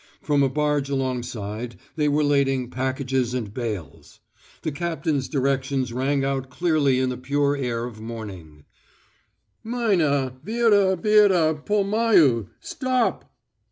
From a barge alongside they were lading packages and bales. The captain's directions rang out clearly in the pure air of morning: "Maina, véra, véra po malu, stop!"